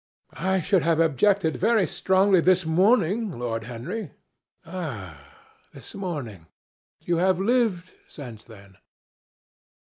"I should have objected very strongly this morning, Lord Henry." "Ah! this morning! You have lived since then."